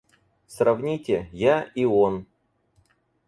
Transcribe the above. Сравните: я и – он!